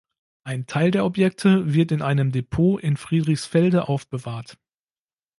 Ein Teil der Objekte wird in einem Depot in Friedrichsfelde aufbewahrt.